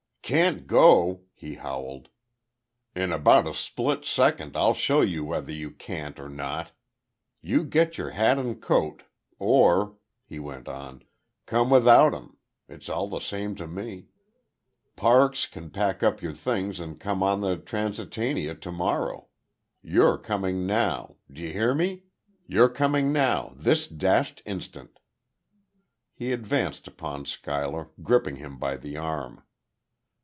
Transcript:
"Can't go!" he howled. "In about a split second I'll show you whether you can't or not. You get your hat and coat! Or," he went on, "come without 'em. It's all the same to me. Parks can pack up your things, and come on the 'Transitania,' to morrow. You're coming now. D'ye hear me? You're coming now this dashed instant!" He advanced upon Schuyler, gripping him by the arm.